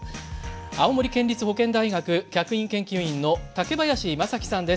青森県立保健大学客員研究員の竹林正樹さんです。